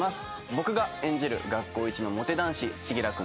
僕が演じる学校一のモテ男子千輝君と。